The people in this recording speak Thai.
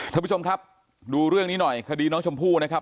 ท่านผู้ชมครับดูเรื่องนี้หน่อยคดีน้องชมพู่นะครับ